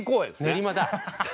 練馬だ。